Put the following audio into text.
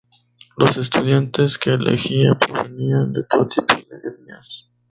Los estudiantes que elegía provenían de todo tipo de etnias.